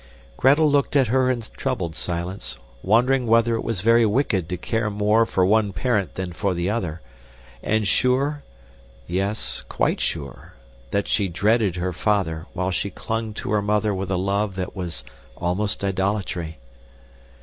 Gretel looked at her in troubled silence, wondering whether it were very wicked to care more for one parent than for the other, and sure yes, quite sure that she dreaded her father while she clung to her mother with a love that was almost idolatry.